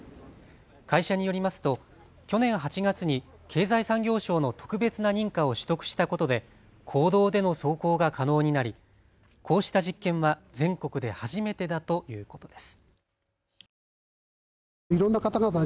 会社によりますと去年８月に経済産業省の特別な認可を取得したことで公道での走行が可能になりこうした実験は全国で初めてだということです。